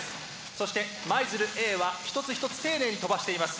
そして舞鶴Ａは一つ一つ丁寧に飛ばしています。